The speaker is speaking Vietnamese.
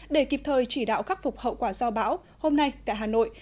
để kịp thời chỉ đạo khắc phục hậu quả do bão hôm nay tại hà nội